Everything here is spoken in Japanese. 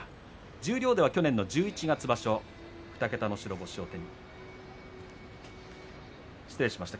十両では去年の十一月場所２桁の白星失礼しました。